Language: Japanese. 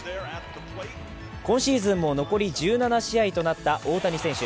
今シーズンも残り１７試合となった大谷選手。